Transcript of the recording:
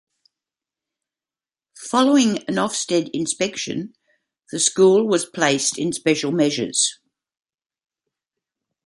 Following an Ofsted inspection, the school was placed in "special measures".